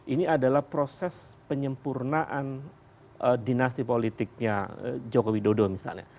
ini adalah proses penyempurnaan dinasti politiknya jokowi dodo misalnya